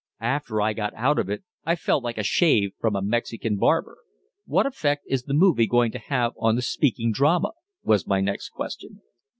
After I got out of it I felt like a shave from a Mexican barber." "What effect is the movie going to have on the speaking drama?" was my next question.